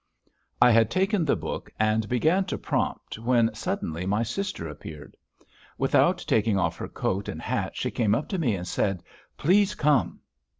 I had taken the book and began to prompt when suddenly my sister appeared. Without taking off her coat and hat she came up to me and said: "Please come!"